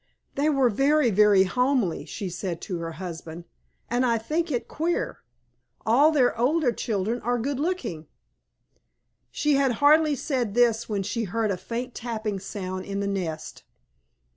"They are very, very homely," she said to her husband, "and I think it queer. All their older children are good looking." She had hardly said this when she heard a faint tapping sound in the nest.